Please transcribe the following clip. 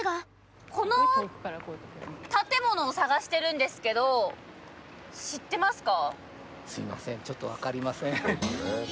この建物を探してるんですけど知ってますか？